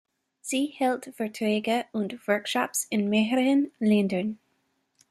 Sie hält Vorträge und Workshops in mehreren Ländern.